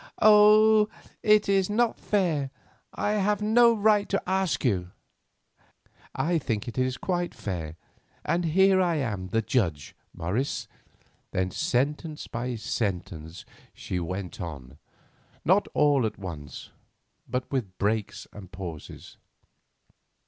Oh! it is not fair; I have no right to ask you!" "I think it quite fair, and here I am the judge, Morris." Then, sentence by sentence, she went on, not all at once, but with breaks and pauses.